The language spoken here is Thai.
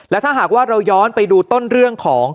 และถ้าหากว่าเราย้อนไปดูต้นเรื่องของ